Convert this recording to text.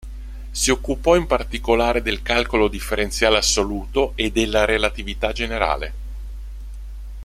Si occupò in particolare del calcolo differenziale assoluto e della relatività generale.